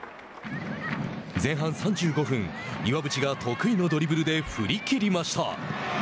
前半３５分、岩渕が得意のドリブルで振り切りました。